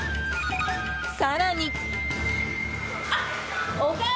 更に。